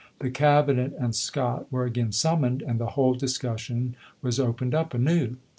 The Cab inet and Scott were again summoned, and the whole discussion was opened up anew.